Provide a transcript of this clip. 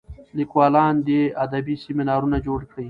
لیکوالان دي ادبي سیمینارونه جوړ کړي.